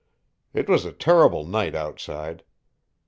It was a terrible night outside.